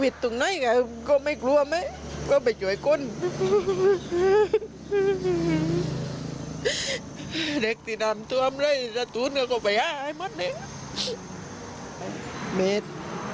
เด็กที่นำท่วมเลยจัดทุนกับโพย่าให้มันเอง